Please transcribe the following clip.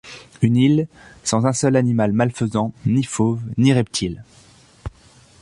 Une île sans un seul animal malfaisant, ni fauves, ni reptiles!...